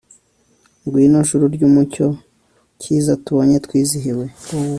ngwino juru ry'umucyo cyiza tubonye twizihiwe